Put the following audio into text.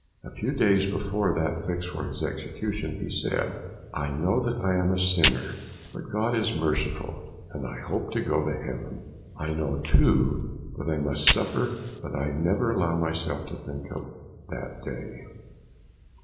A few days before that fixed for his execution, he said, "I know that I am a sinner, but God is merciful, and I hope to go to Heaven. I know, too, that I must suffer, but I never allow myself to think of the day."